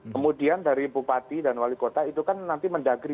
kemudian dari bupati dan wali kota itu kan nanti mendagri